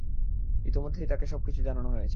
ইতোমধ্যেই তাকে সবকিছু জানানো হয়েছে।